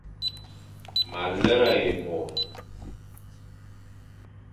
Ma lera ye mor.